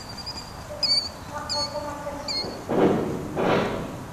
স্বামীজী অল্পমাত্র চা পান করিলেন।